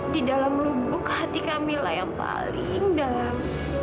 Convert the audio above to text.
di dalam lubuk hati camilla yang paling dalam